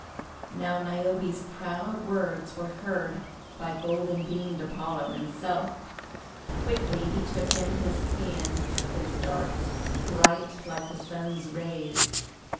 Now Niobe's proud words were heard by golden beamed Apollo himself. Quickly he took in his hand his darts bright like the Sun's rays.